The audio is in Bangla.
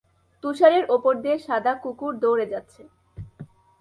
তুষারের উপর দিয়ে সাদা কুকুর দৌড়ে যাচ্ছে